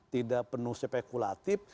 tidak penuh spekulatif